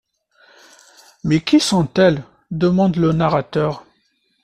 Mais qui sont-elles, demande le narrateur?